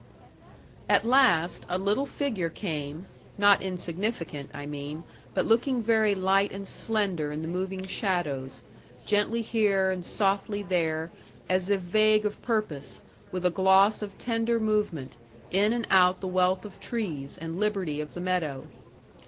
At last, a little figure came, not insignificant (I mean), but looking very light and slender in the moving shadows, gently here and softly there, as if vague of purpose, with a gloss of tender movement, in and out the wealth of trees, and liberty of the meadow.